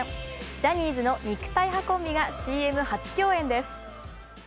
ジャニーズの肉体派コンビがＣＭ初共演です。